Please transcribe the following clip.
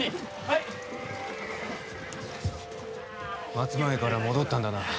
松前から戻ったんだな。